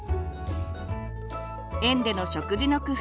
園での食事の工夫